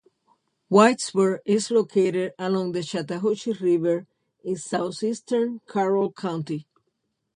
Whitesburg is located along the Chattahoochee River in southeastern Carroll County.